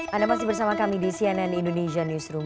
anda masih bersama kami di cnn indonesia newsroom